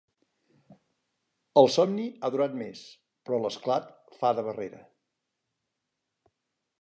El somni ha durat més, però l'esclat fa de barrera.